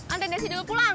anten dari sini dulu pulang